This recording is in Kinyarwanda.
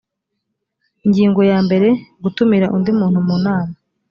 ingingo yambere gutumira undi muntu mu nama